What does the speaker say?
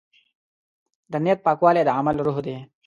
د نیت پاکوالی د عمل روح دی.